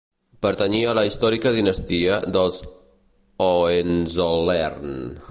Pertanyia a la històrica Dinastia dels Hohenzollern.